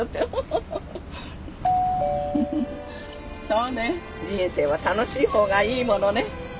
そうね人生は楽しい方がいいものね。